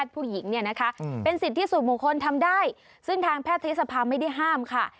เป็นสิทธิสุขมงคลทำได้ซึ่งทางแพทย์ทศพไม่ได้ห้ามค่ะ